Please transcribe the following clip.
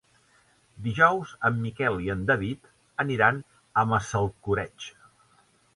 Dijous en Miquel i en David aniran a Massalcoreig.